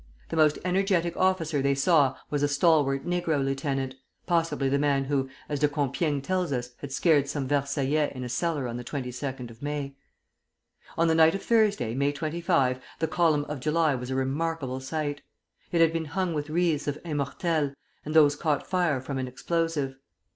The most energetic officer they saw was a stalwart negro lieutenant, possibly the man who, as De Compiègne tells us, had scared some Versaillais in a cellar on the 22d of May. On the night of Thursday, May 25, the Column of July was a remarkable sight. It had been hung with wreaths of immortelles, and those caught fire from an explosive.